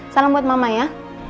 salam buat mama ya